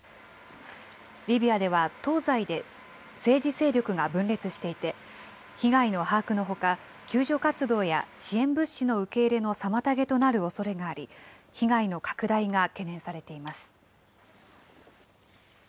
リビアでは、東西で政治勢力が分裂していて、被害の把握のほか、救助活動や支援物資の受け入れの妨げとなるおそれがあり、被害の拡大が懸念されています。